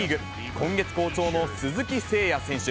今月好調の鈴木誠也選手。